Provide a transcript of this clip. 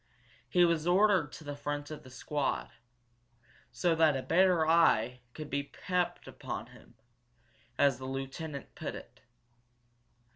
He was ordered to the front of the squad so that a better eye could be kept upon him, as the lieutenant put it.